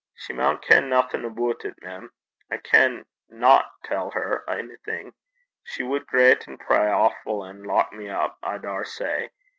'She maun ken naething aboot it, mem. I can not tell her a'thing. She wad greit an' pray awfu', an' lock me up, I daursay.